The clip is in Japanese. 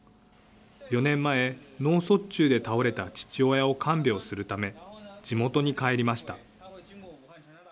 ４年前、脳卒中で倒れた父親を看病するため、地元に帰りました。